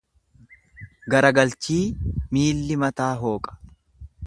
Garagalchii miilli mataa hooqa.